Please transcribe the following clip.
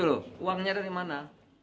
uangnya dari mana